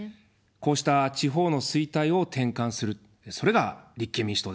こうした地方の衰退を転換する、それが立憲民主党です。